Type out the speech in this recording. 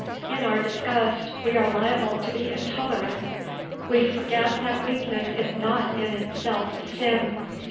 In our disgust, we are liable to be intolerant. We forget that weakness is not in itself a sin.